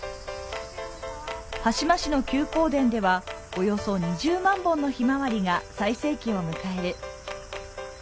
羽島市の休耕田では、約２０万本のヒマワリが最盛期を迎える。